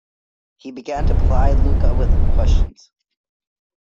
He began to ply Luca with questions.